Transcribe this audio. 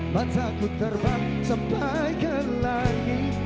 masa ku terbang sampai ke langit